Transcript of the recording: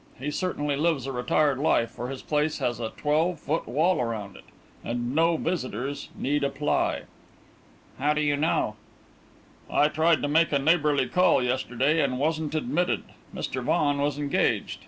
He certainly lives a retired life, for his place has a twelve foot wall around it, and no visitors need apply." "How do you know?" "I tried to make a neighbourly call yesterday, and wasn't admitted. Mr. Vaughan was engaged.